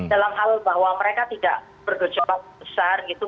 dalam hal bahwa mereka tidak bergejolak besar gitu